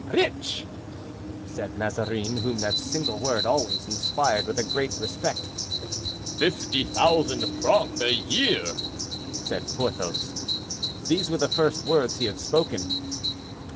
"Rich!" said Mazarin, whom that single word always inspired with a great respect. "Fifty thousand francs a year," said Porthos. These were the first words he had spoken.